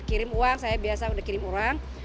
kirim uang saya biasa udah kirim orang